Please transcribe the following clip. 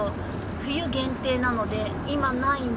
冬限定なので今ないんです。